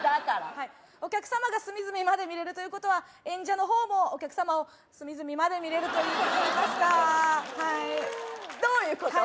はいお客様が隅々まで見れるということは演者の方もお客様を隅々まで見れるといいますかうんどういうこと？